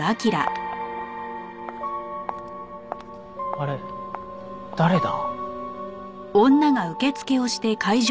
あれ誰だ？